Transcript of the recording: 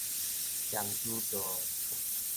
雙子座